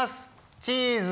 チーズ！